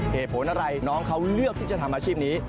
เหตุผลอะไรน้องเขาเลือกที่จะทำอาชีพนี้